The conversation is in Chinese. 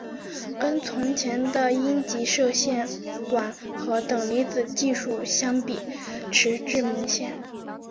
跟从前的阴极射线管和等离子技术相比迟滞明显。